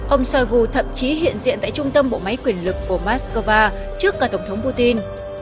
ông shoigu thậm chí hiện diện tại trung tâm bộ máy quyền lực của moscow trước cả tổng thống putin